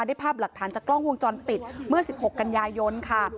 ได้ภาพหลักฐานจากกล้องวงจรปิดเมื่อ๑๖กันยายนค่ะ